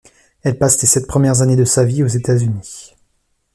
Elle passe les sept premières années de sa vie aux États-Unis.